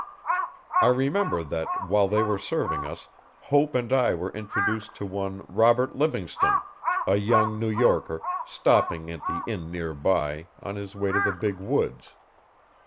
I remember that while they were serving us Hope and I were introduced to one Robert Livingstone a young New Yorker, stopping at the inn near by, on his way to the big woods.